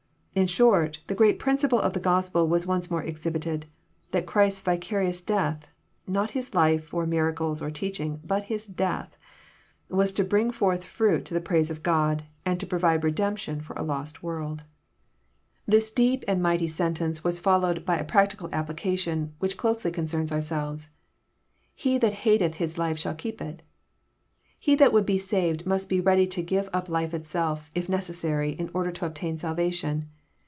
In short, the great principle of the Gospel was once more exhibited,— that Christ's vicarious death (not His life, or miracles, or teaching, but His deatJi) was to bring forth fruit to the praise of God, and to provide redemption for a lost world. JOHN, CHAP. xn. 333 This deep and mighty sentence was followed by a prac tical application, which closely concerns ourselves. *' He that hateth his life shall keep it." He that would be saved must be ready to give up life itself, if necessary, in order to obtain salvation.